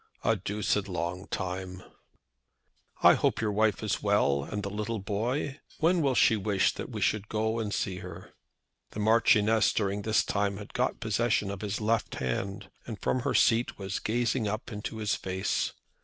"A deuced long time." "I hope your wife is well; and the little boy. When will she wish that we should go and see her?" The Marchioness during this time had got possession of his left hand, and from her seat was gazing up into his face.